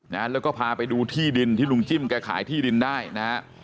นะแล้วก็พาไปดูที่ดินที่ลุงจิ้มแกขายที่ดินได้นะฮะ